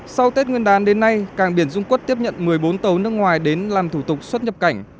sau tết nguyên đán đến nay càng biển dung quốc tiếp nhận một mươi bốn tàu nước ngoài đến làm thủ tục xuất nhập cảnh